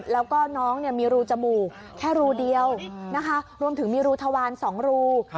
แล้วก็น้องมีรูจมูกแค่รูเดียวนะคะรวมถึงมีรูทวาร๒รู